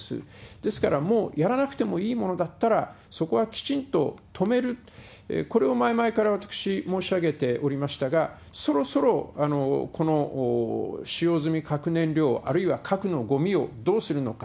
ですから、もうやらなくてもいいものだったら、そこはきちんと止める、これを前々から私、申し上げておりましたが、そろそろこの使用済み核燃料、あるいは核のごみをどうするのか。